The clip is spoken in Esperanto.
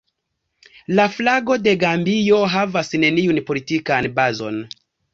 La flago de Gambio havas neniun politikan bazon.